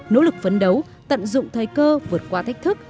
nỗ lực phấn đấu tận dụng thời cơ vượt qua thách thức